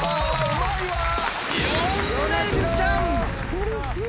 うれしい。